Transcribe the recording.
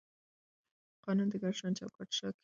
قانون د ګډ ژوند چوکاټ ټاکي.